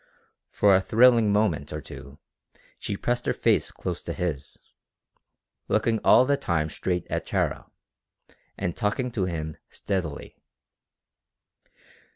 For a thrilling moment or two she pressed her face close to his, looking all the time straight at Tara, and talking to him steadily.